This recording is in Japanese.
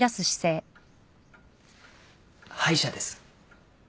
歯医者です。